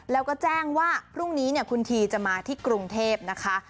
แล้วก็แจ้งว่าพรุ่งนี้คุณทีจะมาที่กรุงเทพนะคะ